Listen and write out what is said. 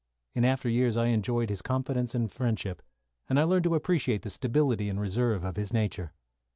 In after years I enjoyed his confidence and friendship, and I learned to appreciate the stability and reserve of his nature.